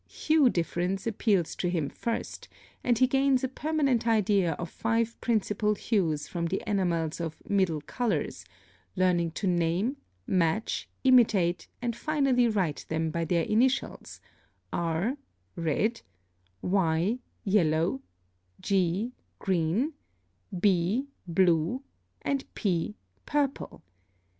Hue difference appeals to him first, and he gains a permanent idea of five principal hues from the enamels of MIDDLE COLORS, learning to name, match, imitate, and finally write them by their initials: R (red), Y (yellow), G (green), B (blue), and P (purple).